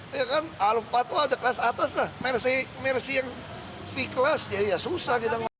ya kan aluf patwa ada kelas atas lah mercy yang v klas ya susah kita ngelaporkan